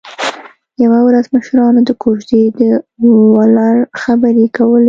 یوه ورځ مشرانو د کوژدې د ولور خبرې کولې